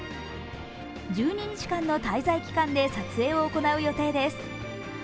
１２日間の滞在期間で撮影を行う予定です。